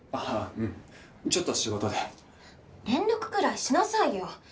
うんちょっと仕事で連絡くらいしなさいよ心配するじゃない！